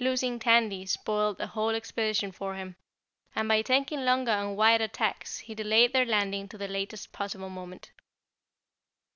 Losing Tandy spoiled the whole expedition for him, and by taking longer and wider tacks he delayed their landing to the latest possible moment.